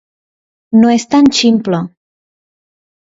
No és tan ximple.